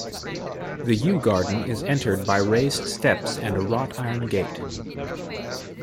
The Yew Garden is entered by raised steps and a wrought-iron gate.